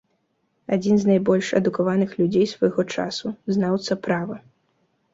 Адзін з найбольш адукаваных людзей свайго часу, знаўца права.